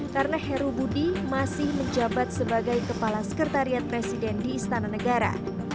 karena heru budi masih menjabat sebagai kepala sekretariat presiden di istana negara